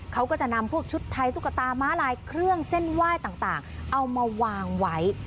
เขาก็จะนำพวกชุดไทยตุ๊กตาม้าลายเครื่องเส้นไหว้ต่างเอามาวางไว้